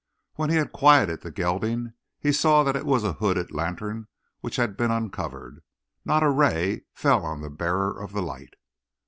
When he had quieted the gelding he saw that it was a hooded lantern which had been uncovered. Not a ray fell on the bearer of the light.